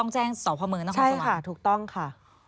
ใช่ค่ะถูกต้องค่ะ